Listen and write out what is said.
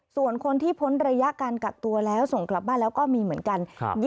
ส่วนคนที่พ้นระยะการกักตัวแล้วส่งกลับบ้านแล้วก็มีเหมือนกัน